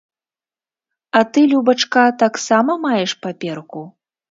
А ты, любачка, таксама маеш паперку?